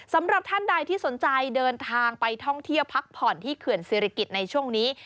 สำหรับท่านใดที่สนใจเดินทางไปท่องเที่ยวพักผ่อนที่เขื่อนศิริกิจในช่วงนี้